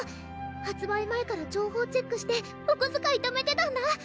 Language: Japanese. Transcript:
発売前から情報チェックしておこづかいためてたんだ！